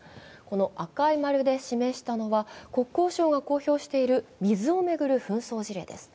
赤い丸で示したのは、国交省が公表している水を巡る紛争事例です。